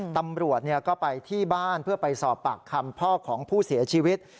ตำรวจก็ไปที่บ้านเพื่อไปสอบปากคำพ่อของผู้เสียชีวิต